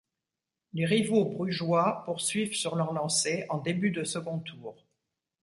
Les rivaux brugeois poursuivent sur leur lancée en début de second tour.